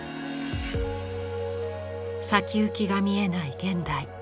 先行きが見えない現代。